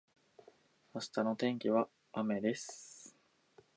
明日の天気は雨だそうです。